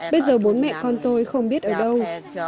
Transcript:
bây giờ bốn mẹ con tôi không có chồng